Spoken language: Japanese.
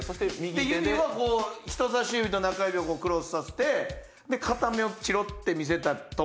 で指はこう人さし指と中指をこうクロスさせてで片目をチロッて見せたと思うんすよ。